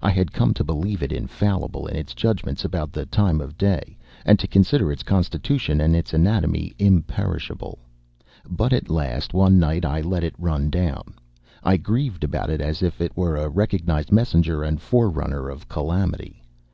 I had come to believe it infallible in its judgments about the time of day, and to consider its constitution and its anatomy imperishable. But at last, one night, I let it run down. I grieved about it as if it were a recognized messenger and forerunner of calamity.